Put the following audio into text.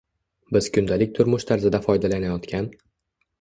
Biz kundalik turmush tarzida foydalanayotgan